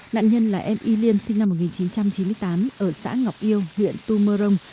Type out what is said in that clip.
nạn nhân là em y liên sinh năm một nghìn chín trăm chín mươi tám ở xã ngọc yêu huyện tu mơ rông